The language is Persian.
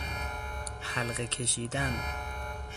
حلقه کشیدن